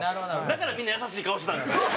だからみんな優しい顔してたんですね。